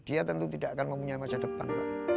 dia tentu tidak akan mempunyai masa depan